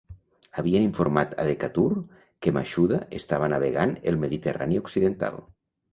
Havien informat a Decatur que Mashuda estava navegant el Mediterrani occidental.